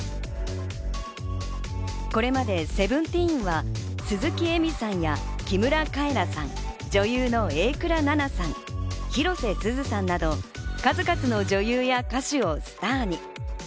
これまで『Ｓｅｖｅｎｔｅｅｎ』は、鈴木えみさんや木村カエラさん、女優の榮倉奈々さん、広瀬すずさんなど、数々の女優や歌手をスターに。